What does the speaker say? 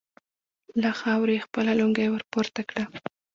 له خاورو يې خپله لونګۍ ور پورته کړه.